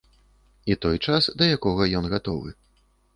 І той час, да якога ён гатовы.